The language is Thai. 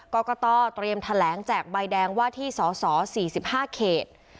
กรกตเตรียมแถลงแจกใบแดงว่าที่สส๔๕เขต